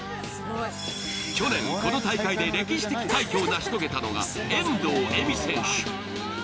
去年、この大会で歴史的快挙を成し遂げたのが遠藤エミ選手。